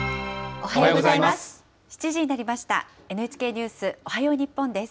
おはようございます。